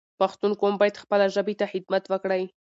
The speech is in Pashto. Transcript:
پښتون قوم باید خپله ژبه ته خدمت وکړی